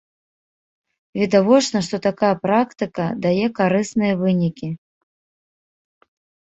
Відавочна, што такая практыка дае карысныя вынікі.